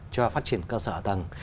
cho phát triển cơ sở tầng